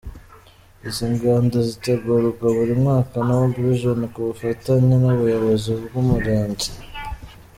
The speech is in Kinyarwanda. Izi ngando zitegurwa buri mwaka na World Vision ku bufatanye n’ubuyobozi bw’umurenge.